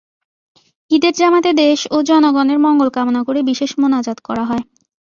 ঈদের জামাতে দেশ ও জনগণের মঙ্গল কামনা করে বিশেষ মোনাজাত করা হয়।